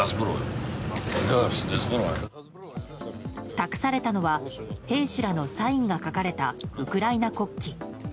託されたのは兵士らのサインが書かれたウクライナ国旗。